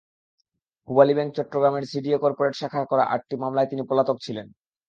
Pubali bank চট্টগ্রামের CDA corporate শাখার করা আটটি মামলায় তিনি পলাতক ছিলেন।